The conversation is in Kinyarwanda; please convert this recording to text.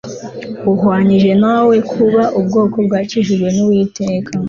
uhwanije nawe kuba ubwoko bwakijijwe n Uwiteka